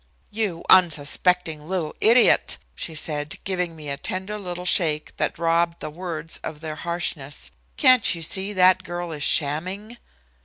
"You unsuspecting little idiot," she said, giving me a tender little shake that robbed the words of their harshness, "can't you see that that girl is shamming?"